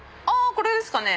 これですかね？